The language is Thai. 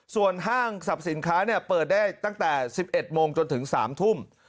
ส่วนห้างสรรพสินค้าเปิดได้ตั้งแต่๑๑โมงจนถึง๓ทุ่ม